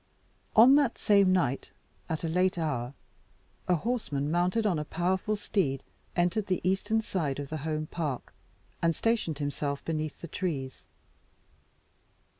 On that same night, at a late hour, a horseman, mounted on a powerful steed, entered the eastern side of the home park, and stationed himself beneath the trees.